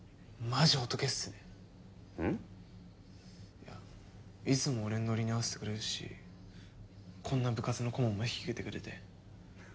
いやいつも俺のノリに合わせてくれるしこんな部活の顧問も引き受けてくれて。